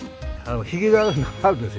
ひげがあるんですよ